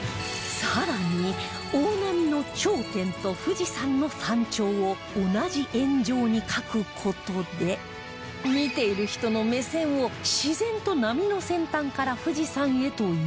更に大波の頂点と富士山の山頂を同じ円上に描く事で見ている人の目線を自然と波の先端から富士山へと誘導